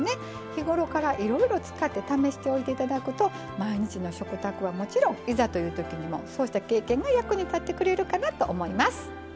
日頃から、いろいろ使って試しておいてあげると毎日の食卓はもちろんいざというときもこうした経験が役に立ってくれるかなと思います。